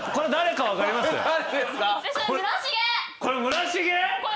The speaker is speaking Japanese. これ村重！？